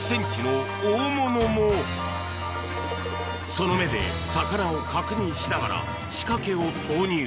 その目で魚を確認しながら仕掛けを投入